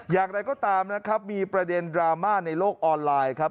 อย่างไรก็ตามนะครับมีประเด็นดราม่าในโลกออนไลน์ครับ